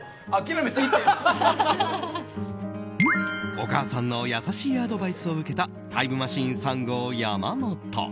お母さんの優しいアドバイスを受けたタイムマシーン３号、山本。